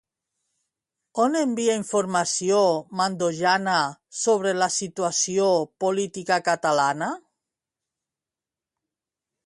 On envia informació Mandojana sobre la situació política catalana?